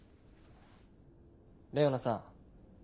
レオナさん。